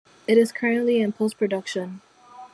It is currently in post-production.